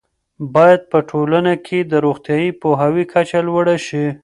باید په ټولنه کې د روغتیايي پوهاوي کچه لوړه شي.